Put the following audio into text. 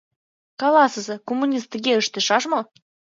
Каласыза, коммунист тыге ыштышаш мо?